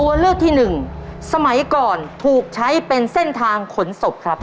ตัวเลือกที่หนึ่งสมัยก่อนถูกใช้เป็นเส้นทางขนศพครับ